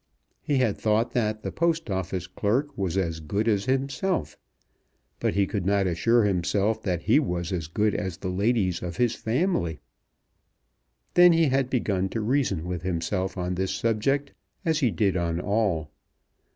He had thought that the Post Office clerk was as good as himself; but he could not assure himself that he was as good as the ladies of his family. Then he had begun to reason with himself on this subject, as he did on all.